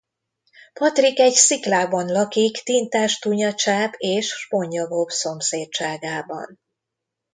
Patrik egy sziklában lakik Tintás Tunyacsáp és Spongyabob szomszédságában.